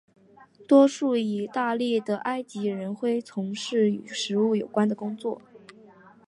多数义大利的埃及人恢从事与食物有关的工作。